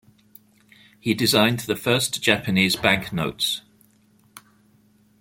He designed the first Japanese bank notes.